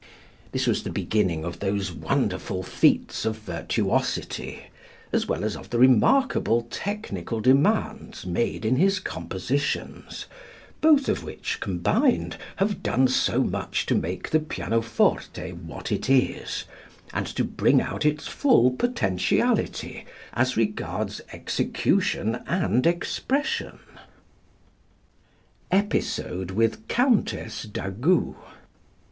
This was the beginning of those wonderful feats of virtuosity as well as of the remarkable technical demands made in his compositions, both of which combined have done so much to make the pianoforte what it is, and to bring out its full potentiality as regards execution and expression. Episode with Countess D'Agoult.